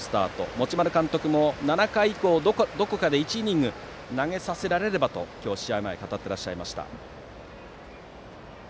持丸監督も７回以降どこかで１イニング投げさせられればと試合前に語っていました。